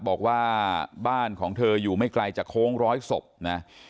บอกว่าบ้านของเธออยู่ไม่ไกลจากโค้งร้อยศพนะ